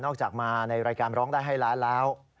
จากมาในรายการร้องได้ให้ล้านแล้ว